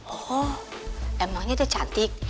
oh emangnya dia cantik